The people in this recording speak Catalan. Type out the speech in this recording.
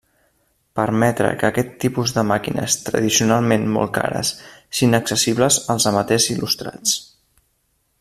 Permetre que aquest tipus de màquines tradicionalment molt cares siguin accessibles als amateurs il·lustrats.